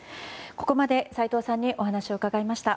ここまで斎藤さんにお話を伺いました。